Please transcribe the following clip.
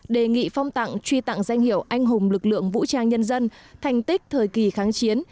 đề nghị phong tặng truy tặng danh hiệu anh hùng lực lượng vũ trang nhân dân thành tích thời kỳ kháng chiến